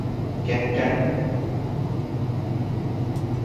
ކެޕްޓަން